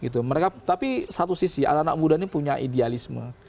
tapi satu sisi anak anak muda ini punya idealisme